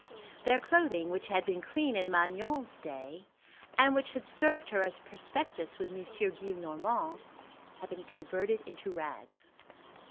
Their clothing, which had been clean in Magnon's day, and which had served her as a prospectus with M. Gillenormand, had been converted into rags.